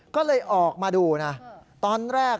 ก็เลยออกมาดูนะตอนแรก